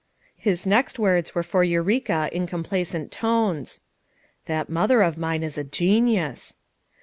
His next words were for Eureka in com placent tones: "That mother of mine is a genius."